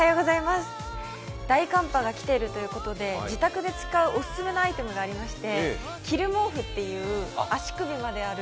大寒波が来ているということで自宅で使うおすすめのアイテムがありまして、着る毛布という、足首まである。